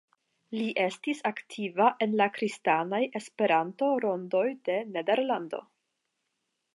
Li estis aktiva en la kristanaj Esperanto-rondoj de Nederlando.